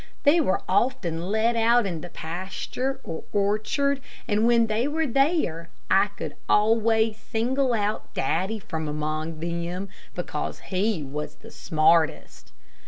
They were often let out in the pasture or orchard, and when they were there, I could always single out Daddy from among them, because he was the smartest.